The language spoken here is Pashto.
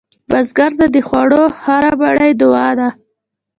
بزګر ته د خوړو هره مړۍ دعا ده